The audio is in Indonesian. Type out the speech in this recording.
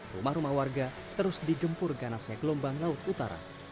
rumah rumah warga terus digempur ganasnya gelombang laut utara